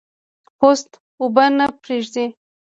پوست اوبه نه پرېږدي.